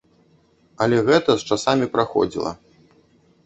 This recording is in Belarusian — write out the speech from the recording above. Але гэта з часамі праходзіла.